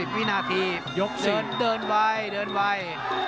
๑๐วีนาทีเดินไปเดินไป